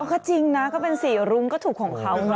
ก็จริงนะก็เป็น๔รุ้งก็ถูกของเขา